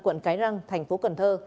quận cái răng thành phố cần thơ